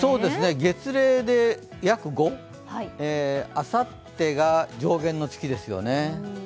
月例で約５あさってが上弦の月ですよね。